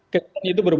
kejadian itu berbulu